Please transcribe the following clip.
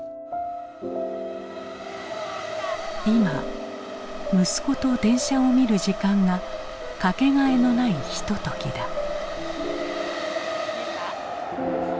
今息子と電車を見る時間が掛けがえのないひとときだ。